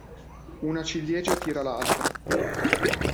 Una ciliegia tira l'altra.